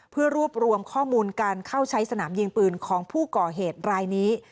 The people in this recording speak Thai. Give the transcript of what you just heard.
เพื่อรวบรวมข้อมูลการเข้าใช้สนามยิงปืนของผู้ก่อเหตุรายนี้